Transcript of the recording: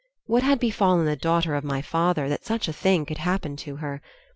What had befallen the daughter of my father that such a thing could happen to her?